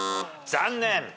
残念。